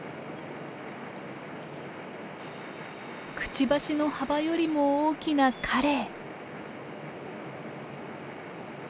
くちばしの幅よりも大きなカレイ。